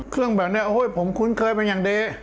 เครื่องแบบนี้โอ้โหผมคุ้นเคยเป็นอย่างดี